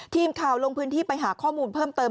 ทีมข่าวลงพื้นที่ไปหาข้อมูลเพิ่มเติม